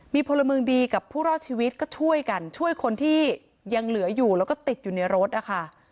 มีพลเมืองดีกับผู้รอดชีวิตก็ช่วยกันช่วยคนที่ยังเหลืออยู่แล้วก็ติดอยู่ในรถนะคะ